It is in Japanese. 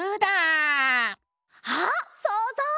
あっそうぞう！